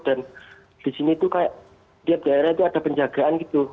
dan di sini tuh kayak tiap daerah itu ada penjagaan gitu